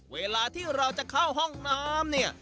เวลาที่เราจะเข้าห้องน้ำเนี่ย